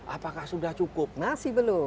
apakah sudah cukup masih belum